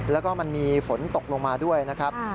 แล้วก็มันมีฝนตกลงมาด้วยนะครับ